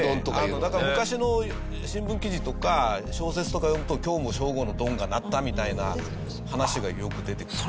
だから昔の新聞記事とか小説とか読むと「今日も正午のドンが鳴った」みたいな話がよく出てくる。